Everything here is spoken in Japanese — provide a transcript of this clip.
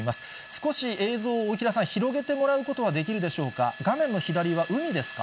少し映像を、大平さん、広げてもらうことはできるでしょうか。